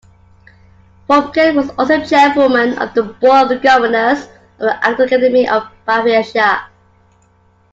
Fromkin was also chairwoman of the board of governors of the Academy of Aphasia.